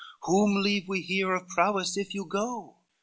Whom leave we here of prowess if you go?"